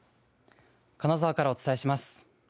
金沢からお伝えします。